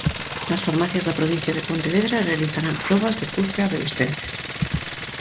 Nas farmacias da provincia de Pontevedra realizarán probas de cuspe a adolescentes.